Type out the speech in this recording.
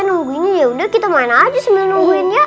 nungguinnya yaudah kita main aja